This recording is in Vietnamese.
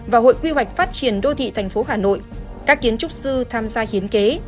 và hội quy hoạch phát triển đô thị thành phố hà nội các kiến trúc sư tham gia hiến kế